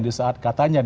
di saat katanya